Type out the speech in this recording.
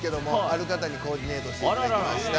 ある方にコーディネートしていただきました。